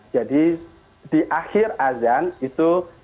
jadi di akhir azan itu